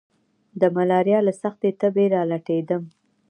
د ملاريا له سختې تبي را لټېدم.